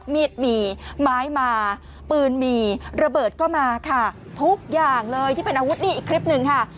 มีดหมี่ไม้มาปืนหมี่ระเบิดก็มาค่ะทุกอย่างเลยที่เป็นอาวุธนี่อีกคลิปหนึ่งค่ะ